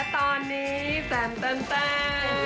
แล้วตอนนี้แปลนแปลนแปลน